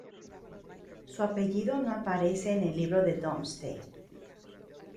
Su apellido no aparece en el libro de Domesday.